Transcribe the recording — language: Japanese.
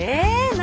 何？